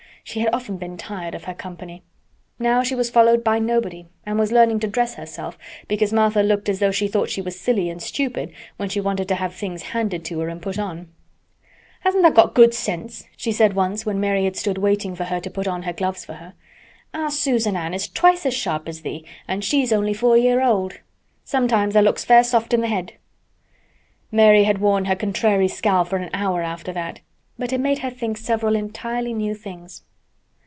She had often been tired of her company. Now she was followed by nobody and was learning to dress herself because Martha looked as though she thought she was silly and stupid when she wanted to have things handed to her and put on. "Hasn't tha' got good sense?" she said once, when Mary had stood waiting for her to put on her gloves for her. "Our Susan Ann is twice as sharp as thee an' she's only four year' old. Sometimes tha' looks fair soft in th' head." Mary had worn her contrary scowl for an hour after that, but it made her think several entirely new things.